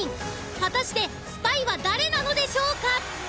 果たしてスパイは誰なのでしょうか？